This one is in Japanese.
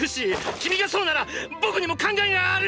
君がそうなら僕にも考えがある！！